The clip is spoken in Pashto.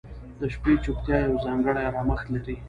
• د شپې چوپتیا یو ځانګړی آرامښت لري.